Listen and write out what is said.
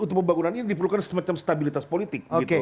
untuk pembangunan ini diperlukan semacam stabilitas politik